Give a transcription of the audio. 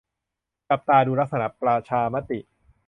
จับตาดูลักษณะประชามติ